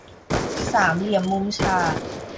สามเหลี่ยมมุมฉาก